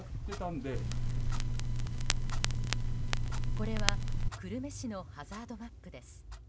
これは久留米市のハザードマップです。